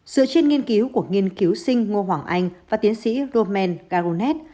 sự chiến nghiên cứu của nghiên cứu sinh ngô hoàng anh và tiến sĩ romain garounet